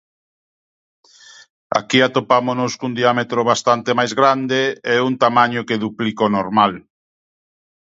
Aquí atopámonos cun diámetro bastante máis grande e un tamaño que duplica o normal.